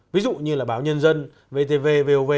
ví dụ như là báo nhân dân vtv vov